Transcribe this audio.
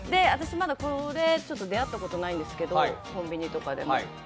私まだこれに出会ったことないんですけど、コンビニとかでも。